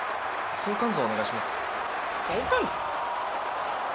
相関図！？